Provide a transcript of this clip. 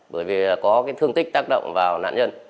bởi vì có cái thương tích tác động vào nạn nhân